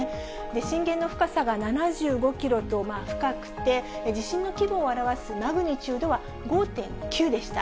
震源の深さが７５キロと深くて、地震の規模を表すマグニチュードは５．９でした。